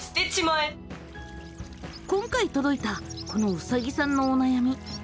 今回届いたこのうさぎさんのお悩み。